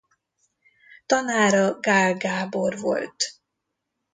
Tanára Gaál Gábor volt.